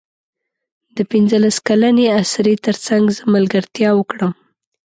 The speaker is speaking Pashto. د پنځلس کلنې اسرې تر څنګ زه ملګرتیا وکړم.